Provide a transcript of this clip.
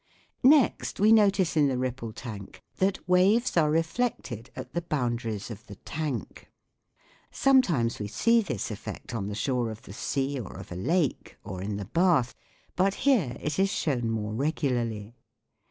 Next we notice in the ripple tank that waves are reflected at the boundaries of the tank. Sometimes we see this effect on the shore of the sea or of a lake, or in the bath, but here it is shown more regularly.